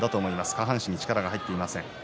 下半身に力が入っていません。